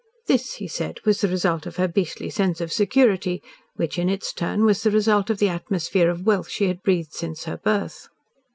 This, he said, was the result of her beastly sense of security, which, in its turn, was the result of the atmosphere of wealth she had breathed since her birth.